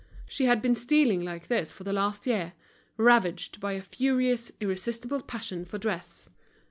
She had been stealing like this for the last year, ravaged by a furious, irresistible passion for dress.